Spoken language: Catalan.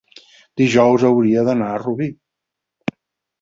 dijous hauria d'anar a Rubí.